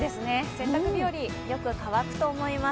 洗濯日和、よく乾くと思います。